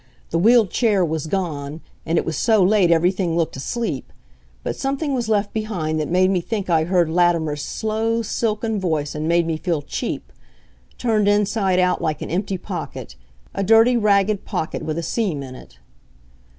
The wheeled chair was gone. And it was so late everything looked asleep. But something was left behind that made me think I heard Latimer's slow, silken voice, and made me feel cheap turned inside out like an empty pocket a dirty, ragged pocket with a seam in it.